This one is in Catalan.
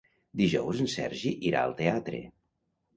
Dijous en Sergi irà al teatre.